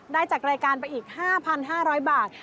ได้จากรายการไปอีก๕๕๐๐บาท